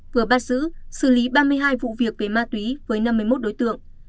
vừa bắt giữ xử lý ba mươi hai vụ việc về ma túy với năm mươi một đối tượng